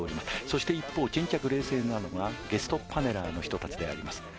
そして一方沈着冷静なのがゲストパネラーの人達であります